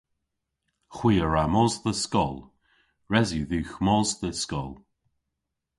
Hwi a wra mos dhe skol. Res yw dhywgh mos dhe skol.